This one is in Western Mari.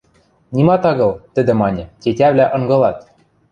— Нимат агыл, — тӹдӹ маньы, — тетявлӓ ынгылат.